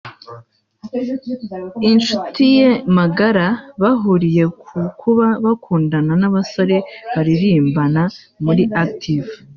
inshuti ye magara bahuriye ku kuba bakundana n’abasore baririmbana muri Active